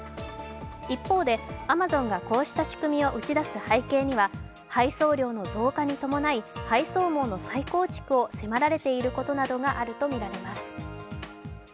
一方でアマゾンがこうした仕組みを打ち出す背景には配送量の増加に伴い配送網の再構築を迫られていることなどがあるとみられます。